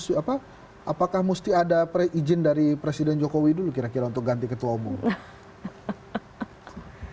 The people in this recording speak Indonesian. siapa apakah musti adaurous hai dari presiden jokowi dulu kira kira untuk ganti ketua umum